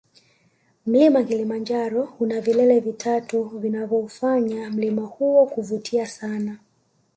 mlima kilimanjaro una vilele vitatu vinavyoufanya mlima huo kuvutia sana